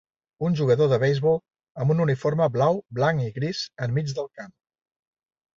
Un jugador de beisbol amb un uniforme blau, blanc i gris enmig del camp.